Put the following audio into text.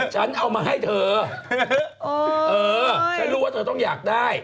ฉันเอามาให้เธอเออฉันรู้ว่าเธอต้องอยากได้